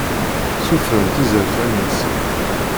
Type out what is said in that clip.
Sutrent izerfan-nsent.